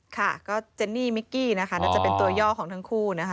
ก็เจนนี่มิกกี้จะเป็นตัวย่อของทั้งคู่